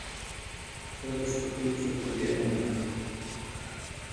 زه له سختیو څخه بېره نه لرم.